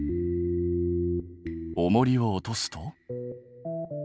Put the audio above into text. おもりを落とすと。